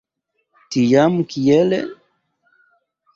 Tiam kiele?